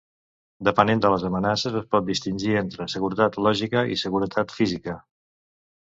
Depenent de les amenaces es pot distingir entre seguretat lògica i seguretat física.